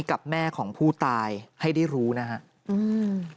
กับแม่ของผู้ตายให้ได้รู้นะฮะอืม